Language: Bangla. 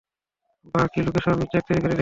বাহ কি লোকেশন, চেক করে দেখি।